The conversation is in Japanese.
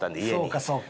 そうかそうか。